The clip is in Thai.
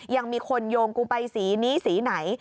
ยังมีคนโยงกูไปสีนี้สีไหน